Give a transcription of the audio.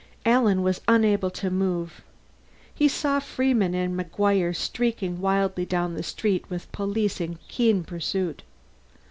Alan was unable to move. He saw Freeman and McGuire streaking wildly down the street with police in keen pursuit.